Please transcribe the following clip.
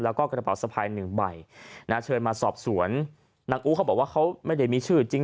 แล้วก็กระเป๋าสะพายหนึ่งใบนะเชิญมาสอบสวนนางอู้เขาบอกว่าเขาไม่ได้มีชื่อจริง